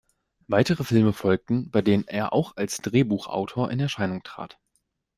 Weitere Filme folgten, bei den er auch als Drehbuchautor in Erscheinung trat.